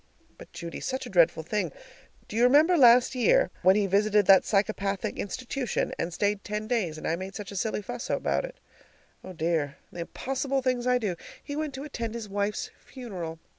But, Judy, such a dreadful thing do you remember last year when he visited that psychopathic institution, and stayed ten days, and I made such a silly fuss about it? Oh, my dear, the impossible things I do! He went to attend his wife's funeral.